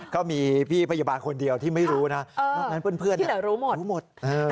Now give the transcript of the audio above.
ก็มีพี่พยาบาลคนเดียวที่ไม่รู้นะนอกนั้นเพื่อนรู้หมดรู้หมด